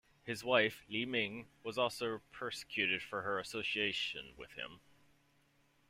His wife, Li Ming, was also persecuted for her association with him.